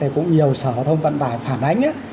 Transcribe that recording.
cũng nhiều sở hội thông vận tải phản ánh